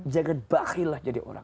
jangan bakhillah jadi orang